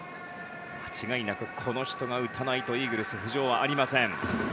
間違いなくこの人が打たないとイーグルス浮上はありません。